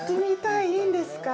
いいんですか？